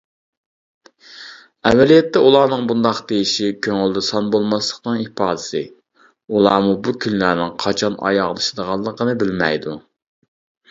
ئەمەلىيەتتە، ئۇلارنىڭ بۇنداق دېيىشى كۆڭلىدە سان بولماسلىقىنىڭ ئىپادىسى، ئۇلارمۇ بۇ كۈنلەرنىڭ قاچان ئاياغلىشىدىغانلىقىنى بىلمەيدۇ.